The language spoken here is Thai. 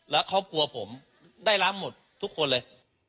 แล้วเขากลัวผมได้รับหมดทุกคนเลย